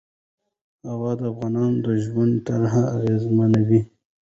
هوا د افغانانو د ژوند طرز اغېزمنوي.